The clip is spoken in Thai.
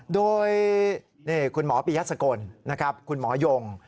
โดยคุณหมอปียัศกลคุณหมอยง